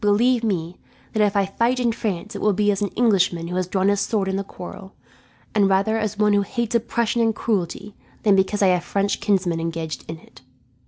Believe me, that if I fight in France it will be as an Englishman who has drawn his sword in the quarrel, and rather as one who hates oppression and cruelty than because I have French kinsmen engaged in it."